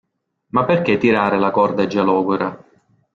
Ma perché tirare la corda già logora?